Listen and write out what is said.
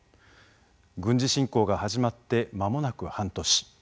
軍事侵攻が始まってまもなく半年。